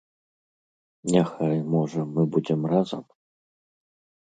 Няхай, можа, мы будзем разам?